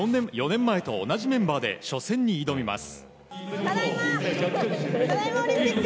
４年前と同じメンバーで初戦に挑みます。